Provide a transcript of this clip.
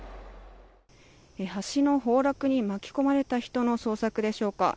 橋の崩落に巻き込まれた人の捜索でしょうか。